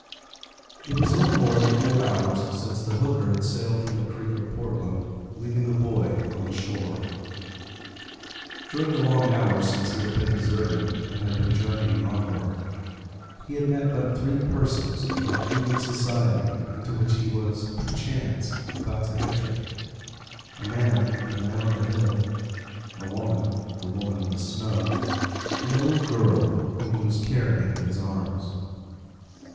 It was little more than four hours since the hooker had sailed from the creek of Portland, leaving the boy on the shore. During the long hours since he had been deserted, and had been journeying onwards, he had met but three persons of that human society into which he was, perchance, about to enter a man, the man on the hill; a woman, the woman in the snow; and the little girl whom he was carrying in his arms.